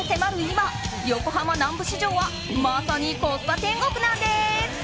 今、横浜南部市場はまさにコスパ天国なんです。